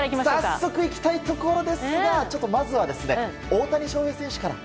早速いきたいところですがまずは大谷翔平選手から。